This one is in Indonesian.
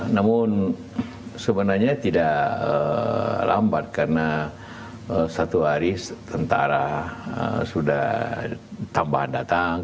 namun sebenarnya tidak lambat karena satu hari tentara sudah tambah datang